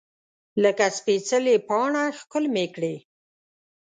لکه سپیڅلې پاڼه ښکل مې کړې